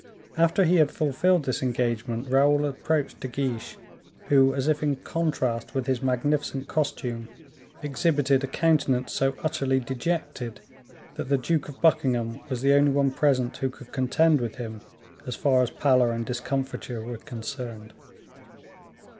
After he had fulfilled this engagement, Raoul approached De Guiche, who, as if in contrast with his magnificent costume, exhibited a countenance so utterly dejected, that the Duke of Buckingham was the only one present who could contend with him as far as pallor and discomfiture were concerned.